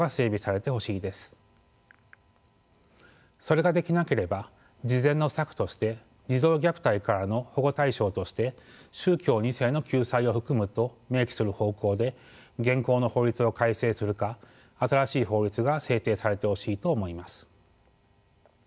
それができなければ次善の策として児童虐待からの保護対象として「宗教２世の救済を含む」と明記する方向で現行の法律を改正するか新しい法律が制定されてほしいと思います。